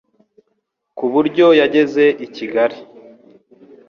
ku buryo yageze i Kigali.